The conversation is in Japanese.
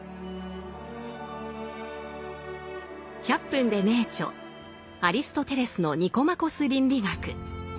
「１００分ｄｅ名著」アリストテレスの「ニコマコス倫理学」。